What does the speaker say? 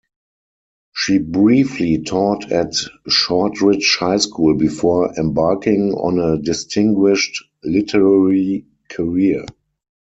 She briefly taught at Shortridge High School before embarking on a distinguished literary career.